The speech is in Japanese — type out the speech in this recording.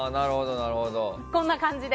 こんな感じで。